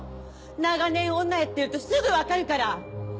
長年女やってるとすぐ分かるから！